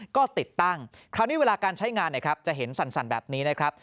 ก็ติดตั้งคราวนี้เวลาการใช้งานนะครับจะเห็นสั่นแบบนี้นะครับ